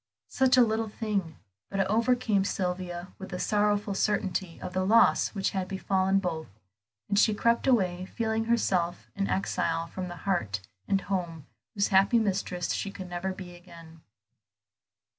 Such a little thing: but it overcame Sylvia with the sorrowful certainty of the loss which had befallen both, and she crept away, feeling herself an exile from the heart and home whose happy mistress she could never be again.